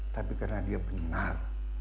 tapi karena dia benar